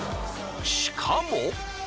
しかも。